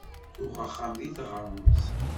Tuɣ axxam deg taɣremt.